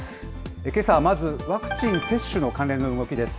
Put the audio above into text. けさはまずワクチン接種の関連の動きです。